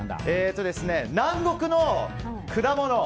南国の果物。